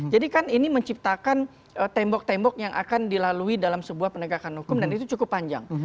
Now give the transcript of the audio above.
jadi kan ini menciptakan tembok tembok yang akan dilalui dalam sebuah penegakan hukum dan itu cukup panjang